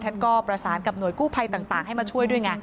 ท่านก็ประสานกับหน่วยกู้ไพที่ต่างให้มาช่วยด้วย